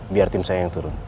biar tim saya yang turun